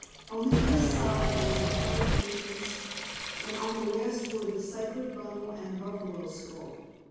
On the east side was a covered entrance, and on the west were the sacred bundle and buffalo skull.